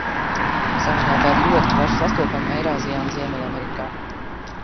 Savvaļā tā ir ļoti plaši sastopama Eirāzijā un Ziemeļamerikā.